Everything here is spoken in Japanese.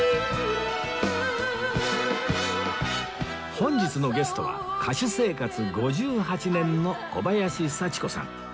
本日のゲストは歌手生活５８年の小林幸子さん